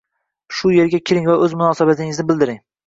Shu yerga kiring va o‘z munosabatingizni bildiring